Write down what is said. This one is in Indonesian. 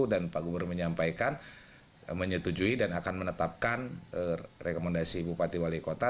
dan pak gubernur menyampaikan menyetujui dan akan menetapkan rekomendasi bupati wali kota